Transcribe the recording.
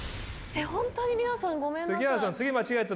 ホントに皆さんごめんなさい。